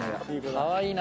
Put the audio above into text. かわいいな。